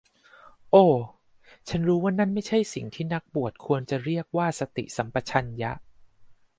โอ้ ฉันรู้ว่านั่นไม่ใช่สิ่งที่นักบวชควรจะเรียกว่าสติสัมปชัญญะ